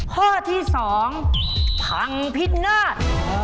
ห้อที่สองพังผิดเนิด